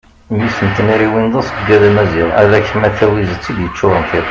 mmi-s n tnariwin d aseggad amaziɣ ala kem a tawizet i d-yeččuren tiṭ